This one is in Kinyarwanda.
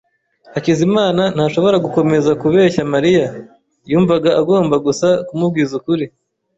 Hakizimana ntashobora gukomeza kubeshya Mariya. Yumvaga agomba gusa kumubwiza ukuri.